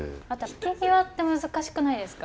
引き際って難しくないですか？